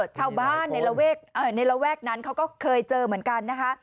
ชาวบ้านในระแวกนั้นเขาก็เคยเจอเหมือนกันนะคะ